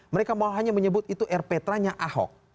mereka mau hanya menyebut itu air petra nya ahok